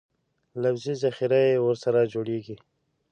لفظي ذخیره یې ورسره جوړېږي.